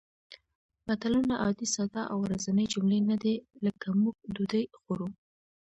متلونه عادي ساده او ورځنۍ جملې نه دي لکه موږ ډوډۍ خورو